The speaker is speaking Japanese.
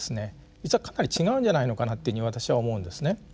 実はかなり違うんじゃないのかなというふうに私は思うんですね。